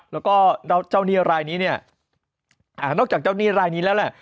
แล้วก็เจ้าหนี้รายนี้เนี่ยนอกจากเจ้าหนี้รายนี้แล้วแหละ